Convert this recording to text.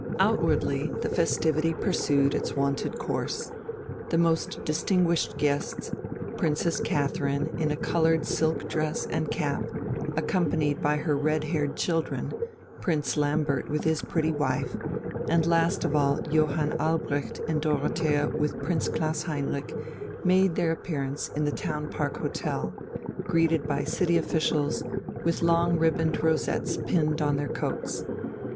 Outwardly the festivity pursued its wonted course. The most distinguished guests, Princess Catherine, in a coloured silk dress and cap, accompanied by her red haired children, Prince Lambert with his pretty wife, and last of all Johann Albrecht and Dorothea with Prince Klaus Heinrich, made their appearance in the "Townpark Hotel," greeted by city officials, with long ribboned rosettes pinned on their coats.